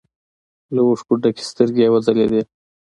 له اوښکو ډکې سترګې يې وځلېدې.